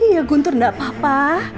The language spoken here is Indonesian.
iya guntur nggak apa apa